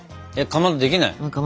かまどできない？